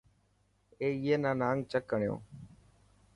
اي نا نانگ چڪ هڻيو.